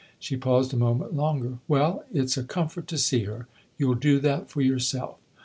She paused a moment longer. " Well, it's a comfort to see her. You'll do that for yourself."